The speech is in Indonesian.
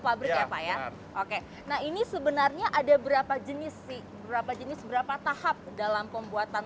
pabrik ya pak ya oke nah ini sebenarnya ada berapa jenis sih berapa jenis berapa tahap dalam pembuatan